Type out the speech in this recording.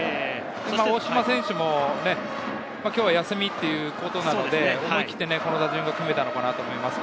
大島選手も今日は休みということなので、思い切って、この打順が組めたのだと思います。